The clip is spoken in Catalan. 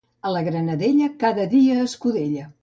A la Granadella, cada dia escudella.